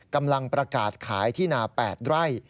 กำลังประกาศขายที่นา๘ไร่